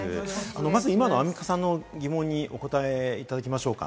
まず今のアンミカさんの疑問にお答えいただきましょうか。